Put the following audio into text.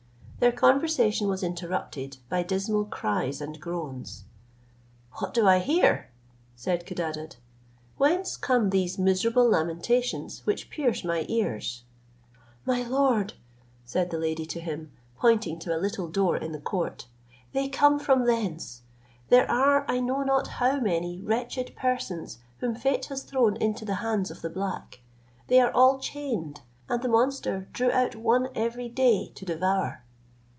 Their conversation was interrupted by dismal cries and groans. "What do I hear?" said Codadad: "Whence come these miserable lamentations, which pierce my ears?" "My lord," said the lady to him, pointing to a little door in the court, "they come from thence. There are I know not how many wretched persons whom fate has thrown into the hands of the black. They are all chained, and the monster drew out one every day to devour."